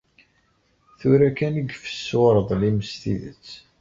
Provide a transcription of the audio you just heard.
Tura kan i ifessu ureḍlim s tidet.